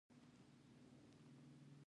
_دا نيمه شپه ګوره!